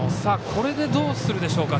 これでどうするでしょうか。